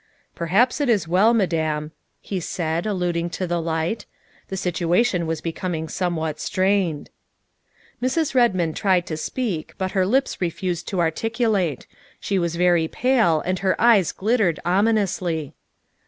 " Perhaps it was as well, Madame," he said, alluding to the light, " the situation was becoming somewhat strained. '' Mrs. Redmond tried to speak, but her lips refused to articulate; she was very pale and her eyes glittered ominously.